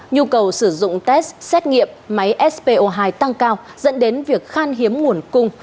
nhu cầu sử dụng test xét nghiệm máy spo hai tăng cao dẫn đến việc khan hiếm nguồn cung